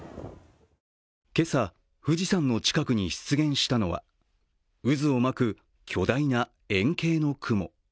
今朝、富士山の近くに出現したのは渦を巻く巨大な円形の雲。